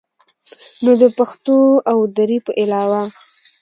نو د پښتو او دري په علاوه